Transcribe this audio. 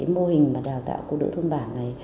mô hình đào tạo cô đỡ thôn bản